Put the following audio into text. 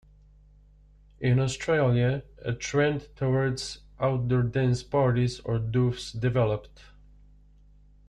In Australia, a trend towards outdoor dance parties or doofs developed.